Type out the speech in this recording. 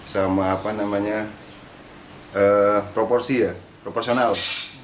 sama apa namanya proporsi ya proporsional